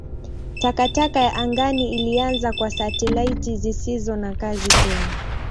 Takataka ya angani ilianza kwa satelaiti zisizo na kazi tena.